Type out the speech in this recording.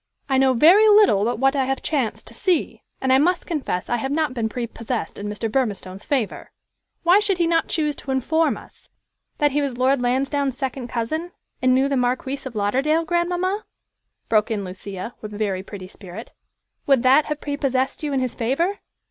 "I know very little but what I have chanced to see, and I must confess I have not been prepossessed in Mr. Burmistone's favor. Why did he not choose to inform us" "That he was Lord Lansdowne's second cousin, and knew the Marquis of Lauderdale, grandmamma?" broke in Lucia, with very pretty spirit. "Would that have prepossessed you in his favor?